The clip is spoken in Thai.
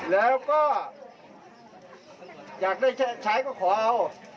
แล้วก็อยากได้ใช้ก็ขอเอา